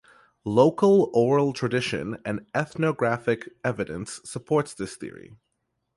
Local oral tradition and ethnographic evidence supports this theory.